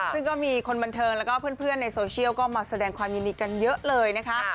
ซึ่งก็มีคนบันเทิงแล้วก็เพื่อนในโซเชียลก็มาแสดงความยินดีกันเยอะเลยนะคะ